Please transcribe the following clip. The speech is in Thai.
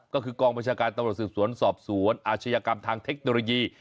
ก็คือกองบัญชาการตำรวจสืบสวนสอบสวนอาชญากรรมทางเทคโนโลยี